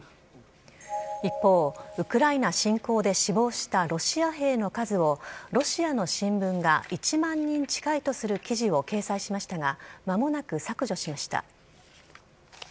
一方、ウクライナ侵攻で死亡したロシア兵の数を、ロシアの新聞が１万人近いとする記事を掲載しましたが、まもなく削除しました。